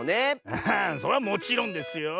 アハそれはもちろんですよ。